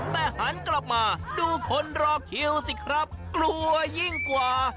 แต่หันกลับมาดูคนรอคิวสิครับกลัวยิ่งกว่า